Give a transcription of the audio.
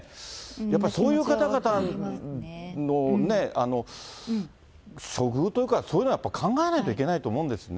やっぱりそういう方々の処遇というか、そういうのはやっぱり考えないといけないと思うんですよね。